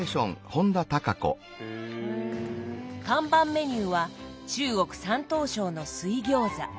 看板メニューは中国山東省の水餃子。